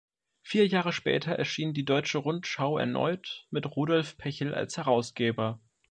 Vier Jahre später erschien die Deutsche Rundschau erneut mit Rudolf Pechel als Herausgeber.